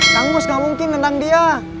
kang mus gak mungkin nentang dia